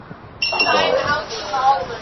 Kber.